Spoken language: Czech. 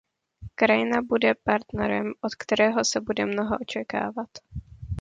Ukrajina bude partnerem, od kterého se bude mnoho očekávat.